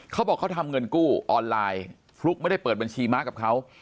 เขาบอกเขาทำเงินกู้ออนไลน์ฟลุ๊กไม่ได้เปิดบัญชีม้ากับเขา